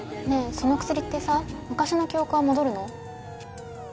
その薬ってさ昔の記憶は戻るの？